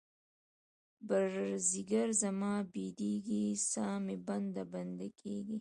پر ځیګــر زما بیدیږې، سا مې بنده، بنده کیږې